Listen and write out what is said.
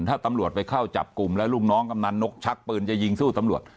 ถ้าตำรวจไปเข้าจับกลุ่มแล้วลูกน้องกำนันนกชักปืนจะยิงสู้ตำรวจ